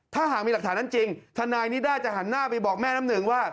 ถ้าหากมีหลักฐานนั้นจริงทนายนิด้าจะหันหน้าไปบอกแม่น้ำหนึ่งว่า